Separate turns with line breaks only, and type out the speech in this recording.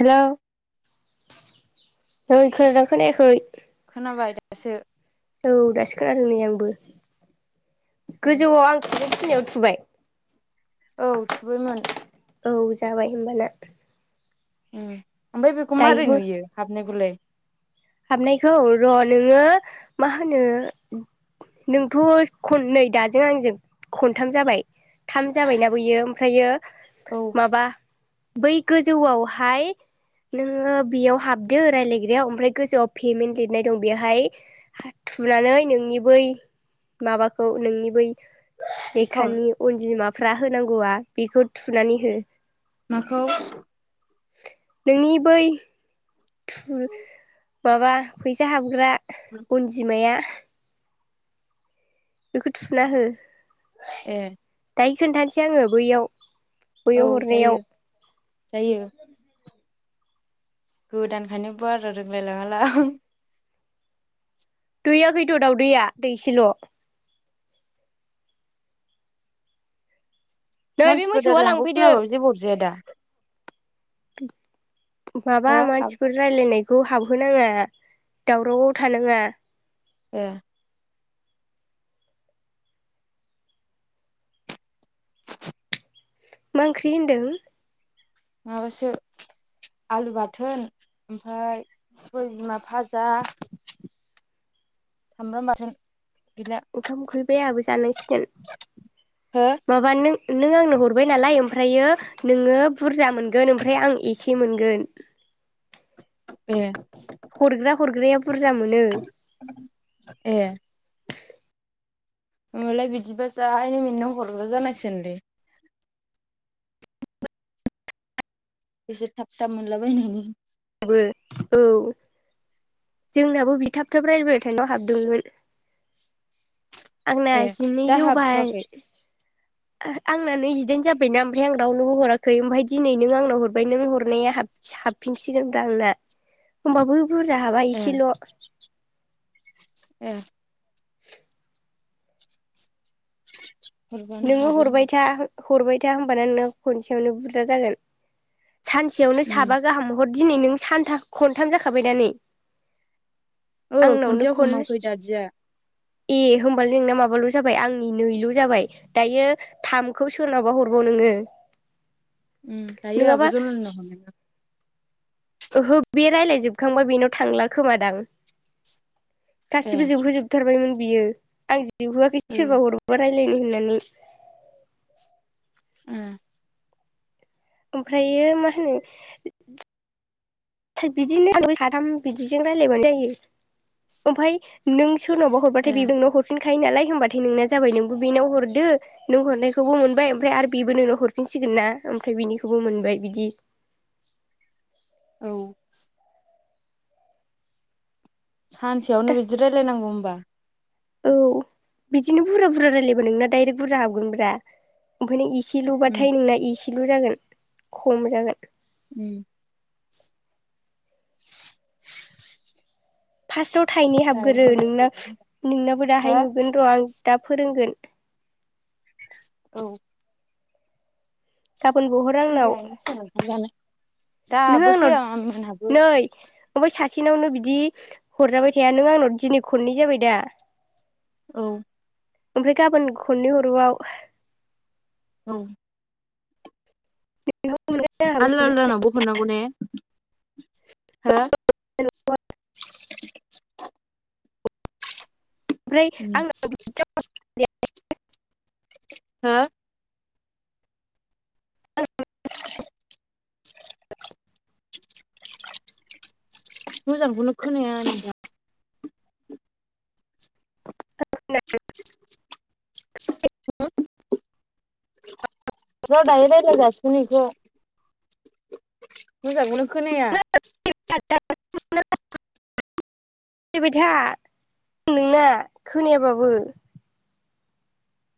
हेल'।
ओइ खोनादोंना खोनायाखै?
खोनाबाय दासो।
औ दासो खोनादों नै आंबो गोजौआव आं थुनो थिननायाव थुबाय?
औ थुबायमोन।
औ जाबाय होमबाना।
ए ओमफ्राय बेखौ मारै
दायोबो
नुयो हाबनायखौलाय।
हाबनायखौ र' नोङो मा होनो नोंथ' खननै दाजों आंजों खनथाम जाबाय। थाम जाबायना बैयो ओमफ्रायो
औ
माबा बै गोजौआवहाय नोङो बेयाव हाबदो रायलायग्रायाव ओमफ्राय गोजौआव पेमेन्ट लिरनाय दं बेवहाय थुनानै नोंनि बै माबाखौ नोंनि बै
एकाउन्ट
लेखानि अनजिमाफ्रा होनांगौआ बेखौ थुनानै हो।
माखौ?
नोंनि बै थु माबा फैसा हाबग्रा। अनजिमाया। बेखौ थुना हो।
ए।
खोन्थासै आङो बैयाव
औ
बैयाव
जायो
हरनायाव।
जायो। गोदानखायनो बारा रोंलायलाङालां।
दैया खैथ दाउदैया दैसेल'। नै बे
मानसिफोर
मोसौआ
रायलायनायखौ
लांफैदो
खोनाबाबो जेबो अरजाया दा?
माबा
हो आब
मानसिफोर रायलायनाय खौ हाबहोनाङा दावरावाव थानाङा।
ए।
मा ओंख्रि होनदों?
माबासो। आलु बाथोन ओमफाय सबाय बिमा फाजा। सामब्राम बाथोन। गैला
ओंखाम उखैबाय आंहाबो जानांसिगोन
हो
माबा नों नों आंनो हरबाय नालाय ओमफ्रायो नोङो बुरजा मोनगोन ओमफ्राय आं एसे मोनगोन।
ए।
हरग्रा हरग्राया बुरजा मोनो।
उमलै बिदिबा जायनो मिनो हरग्रा लानांसिगोनलै। एसे थाप थाप मोनलाबायनायनि।
बो औ। जोंनाबो बि थाब थाब रायलायबाय थानायाव हाबदोंमोन। आंना
ए
जिनै
दा
जौबाय।
हाबथ'वाखै
आंना नैजिदाइन जाबायना ओमफ्राय आं रावनोबो हराखै। खै ओमफाय दिनै नों आंनाव हरबाय नों हरनाया [unintelligible] हाबफिनसिगोन ब्रा आंना होमबाबो बुरजा हाबा
ए
एसेल'।
ए हरबानो
नोंङो
हाबो
हरबाय
होमबा
था हरबाय था होनबाना नोंना खनसेयावनो बुरजा जागोन। सानसेयावनो
उम
साबा गाहाम हर दिनै नों सानथा-खनथाम जाखाबाय दा नै।
औ
आंनावनो
खनसेयाव
खन
हमाखै दादिया।
ए होमबालाय नोंना माबाल' जाबाय आंनि नैल' जाबाय। दायो थामखौ सोरनावबा हरबाव नोंङो।
उम दायो आब जनालिनाव हरगोन आं।
ओहो बे रायलायजोबखांबा बेनाव थांला खोमादां।
ए
गासिबो जोबहोजोबथारबायमोन बियो आं जोबहोआखैसै
ओ
सोरबा हरबा [unintelligible] लायगोन होननानै
उम
ओमफ्रायो मा होनो बिदिनो आ साथाम बिदिजों रायलायबानो जायो ओमफाय नों सो सोरनावबा हरबाथाय
ए
बिबो नोंनाव हरफिन खायो नालाय होमबाथाय नोंना जाबाय नोंबो बेनाव हरदो नों हरनायखौबो मोनबाय ओमफ्राय आरो बेबो नोंनाव हरफिनसिग गोनना ओमफ्राय बिनिखौबो मोनबाय बिदि।
औ। सानसेयावनो बिदि रायजलायनांगौ होमबा।
औ बिदिनो बुरजा बुरजा रायलायबा नोंना डायरेक्ट बुरजा हाबगोन ब्रा ओमफायनो एसे
उम
एसेल'बाथाय नोंना एसेलु जागोन खम जागोन।
उ [inaudible]
फार्स्टआव थाइनै
दायो
हाबगोरो नोंना
हरबानो
नोंनाबो
हो
दाहाय नुगोन र' आं दा फोरोंगोन।
औ।
गाबोनबो हर आंनाव।
देग्लायनोसै ओंखाम जानो
नों
दाबो फैया
आंनाव
मोनहाबो
नै उमफाय सासे सेनावनो बिदि हरजाबाय थाया नों आंनाव दिनै खननै जाबाय दा।
औ।
ओमफ्राय गाबोन खननै हरबाव।
औ।
ओमफ्राय
आलदा आलदानावबो हरनांगौ ने हो?
[unintelligible]
[inaudible]
ओमफ्राय
उम
आं [unintelligible]
हो?
[unintelligible]
मोजांखौनो खोनाया आं
[unintelligible]
र' दाहाय रायज्लाय जासिगोन नैखौ। मोजांखौनो खोनाया
[unintelligible] बायथा नोंना खोनायाबाबो।